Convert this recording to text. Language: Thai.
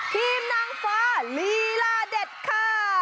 ทีมนางฟ้าลีลาเด็ดค่ะ